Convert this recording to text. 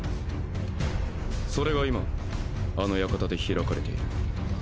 それが今あの館で開かれている。